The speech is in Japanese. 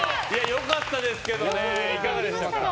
良かったですけどいかがでしたか？